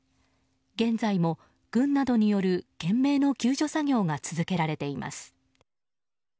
現在も軍などによる懸命の救助作業が続けられています。